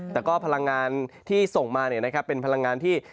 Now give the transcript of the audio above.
แต่ก็พลังงานที่ส่งมาเป็นพลังงานที่